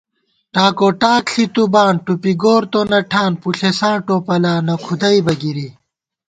ٹاکوٹاک ݪِی تُوبان، ٹُوپی گور تونہ ٹھان ✿ پُݪېساں ٹوپَلا ، نہ کُھدَئیبہ گِری